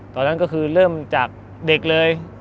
ตอนนั้นก็คือเริ่มจากเด็กเลย